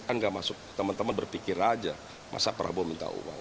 kan gak masuk teman teman berpikir aja masa prabowo minta uang